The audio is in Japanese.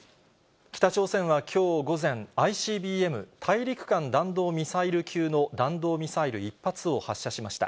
北朝鮮はきょう午前、ＩＣＢＭ・大陸間弾道ミサイル級の弾道ミサイル１発を発射しました。